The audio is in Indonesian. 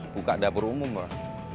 buka dapur umum lah